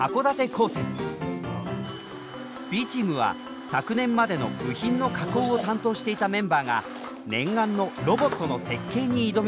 Ｂチームは昨年までの部品の加工を担当していたメンバーが念願のロボットの設計に挑みました。